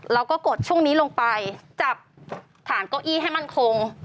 แล้วก็กดช่วงนี้ลงไปจับฐานเก้าอี้ให้มั่นคง